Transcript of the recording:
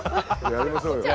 やりましょうよ。